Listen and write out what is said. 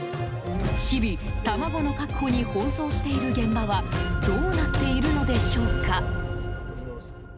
日々、卵の確保に奔走している現場はどうなっているのでしょうか？